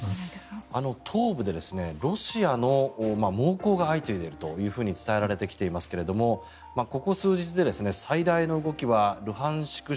東部でロシアの猛攻が相次いでいると伝えられてきていますがここ数日で、最大の動きはルハンシク